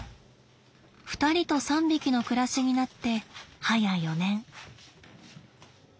２人と３匹の暮らしになって早４年。